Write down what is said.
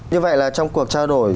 như vậy là trong cuộc trao đổi